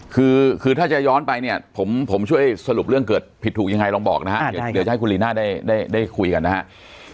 คือคือถ้าจะย้อนไปเนี่ยผมช่วยสรุปเรื่องเกิดผิดถูกยังไงลองบอกนะฮะเดี๋ยวจะให้คุณลีน่าได้คุยกันนะครับ